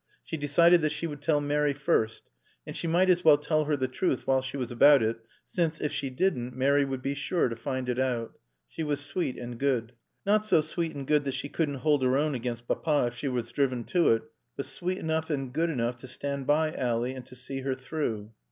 She decided that she would tell Mary first. And she might as well tell her the truth while she was about it, since, if she didn't, Mary would be sure to find it out. She was sweet and good. Not so sweet and good that she couldn't hold her own against Papa if she was driven to it, but sweet enough and good enough to stand by Ally and to see her through.